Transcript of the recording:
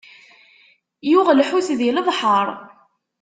Yuɣ lḥut, di lebḥeṛ.